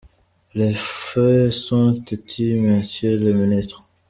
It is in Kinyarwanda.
Les faits sont têtus, monsieur le Ministre !